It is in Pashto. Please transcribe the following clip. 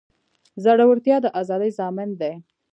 زړورتیا د ازادۍ ضامن دی.